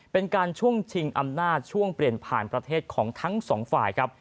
เป็นการช่วงชิงอำนาจช่วงเปลี่ยนผ่านประเทศของทั้งสองฝ่ายครับ